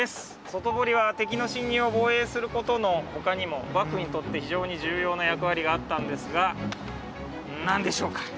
外堀は敵の侵入を防衛する事の他にも幕府にとって非常に重要な役割があったんですがなんでしょうか？